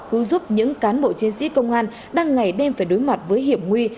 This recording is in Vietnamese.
cứu giúp những cán bộ chiến sĩ công an đang ngày đêm phải đối mặt với hiểm nguy